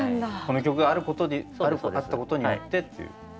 この曲があることであったことによってっていう。